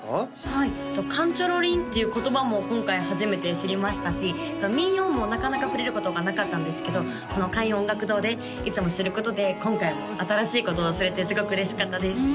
はい神長老林っていう言葉も今回初めて知りましたし民謡もなかなか触れることがなかったんですけどこの開運音楽堂でいつも知ることで今回も新しいことを知れてすごく嬉しかったです